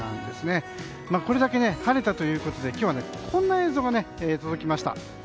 これだけ晴れたということで今日はこんな映像が届きました。